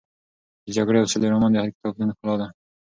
د جګړې او سولې رومان د هر کتابتون ښکلا ده.